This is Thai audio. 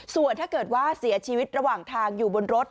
ส่วนถ้าเกิดว่าเสียชีวิตระหว่างทางอยู่บนรถ